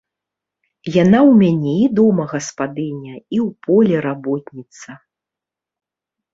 Яна ў мяне і дома гаспадыня і ў полі работніца.